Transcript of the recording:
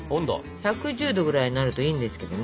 １１０℃ぐらいになるといいんですけどね。